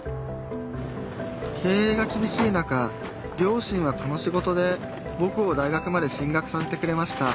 経営がきびしい中両親はこの仕事でぼくを大学まで進学させてくれました